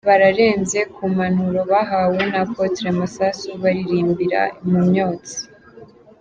Barenze ku mpanuro bahawe na Apotre Masasu baririmbira mu myotsi.